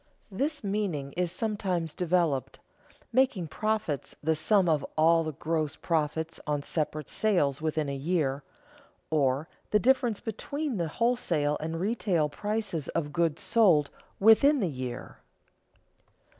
This meaning is sometimes developed, making profits the sum of all the gross profits on separate sales within a year, or the difference between the wholesale and retail prices of goods sold within the year.